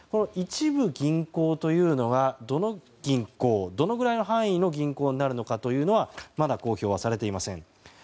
一部銀行というのがどのぐらいの範囲の銀行になるのかというのはまだ公表はされていません。